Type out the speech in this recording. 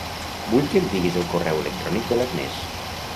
Vull que em diguis el correu electrònic de l'Agnès.